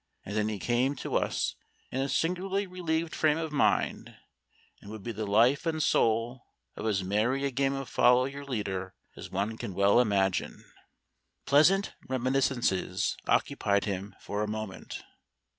And then he came to us in a singularly relieved frame of mind, and would be the life and soul of as merry a game of follow your leader as one can well imagine." Pleasant reminiscences occupied him for a moment.